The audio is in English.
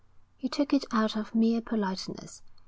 He took it out of mere politeness.